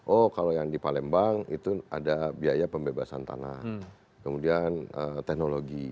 oh kalau yang di palembang itu ada biaya pembebasan tanah kemudian teknologi